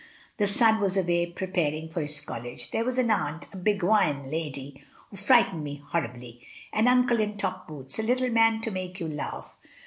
The son was away preparing for his college. There was an aunt, a higuine lady, who frightened me horribly; an uncle in top boots, a little man to make you laugh.